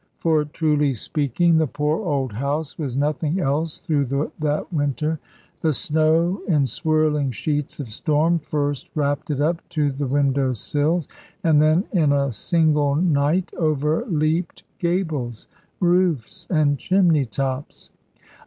For, truly speaking, the poor old house was nothing else through that winter. The snow in swirling sheets of storm first wrapped it up to the window sills; and then in a single night overleaped gables, roofs, and chimney tops.